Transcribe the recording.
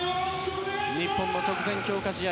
日本の直前強化試合。